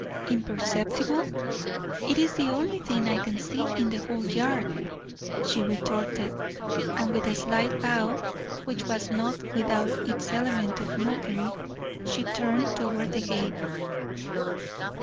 "Imperceptible? It is the only thing I see in the whole yard," she retorted, and with a slight bow, which was not without its element of mockery, she turned toward the gate.